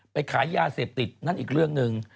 ขายยาเสพติดนั่นอีกเรื่องหนึ่ง